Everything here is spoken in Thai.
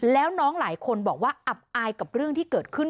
แล้วน้องหลายคนบอกว่าอับอายกับเรื่องที่เกิดขึ้น